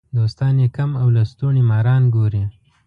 دوستان یې کم او لستوڼي ماران ګوري.